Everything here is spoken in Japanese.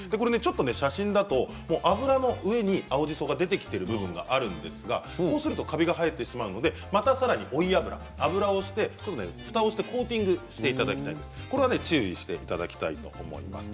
写真だと油の上に青じそが出てきている部分があるんですがこうするとカビが生えてしまうのでまたさらに追い油、油を足してふたをしてコーティングしていただきたいと思います。